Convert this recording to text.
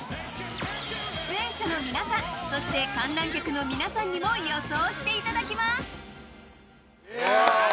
出演者の皆さんそして観覧客の皆さんにも予想していただきます。